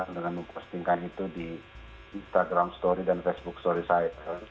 saya ingin mempostingkan itu di instagram story dan facebook story saya